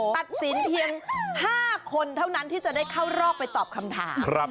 ตัดสินเพียง๕คนเท่านั้นที่จะได้เข้ารอบไปตอบคำถาม